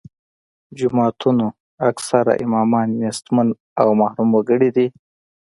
جوماتونو اکثره امامان نیستمن او محروم وګړي دي.